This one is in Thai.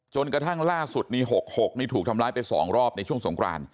กระทั่งล่าสุดนี้๖๖นี่ถูกทำร้ายไป๒รอบในช่วงสงคราน